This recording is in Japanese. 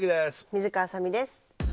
水川あさみです。